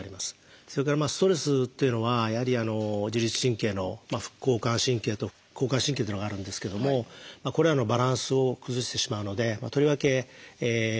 それからストレスっていうのはやはり自律神経の副交感神経と交感神経というのがあるんですけどもこれらのバランスを崩してしまうのでとりわけストレスは避ける必要があります。